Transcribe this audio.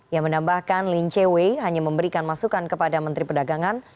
yang menambahkan lin che wei hanya memberikan masukan kepada menteri perdagangan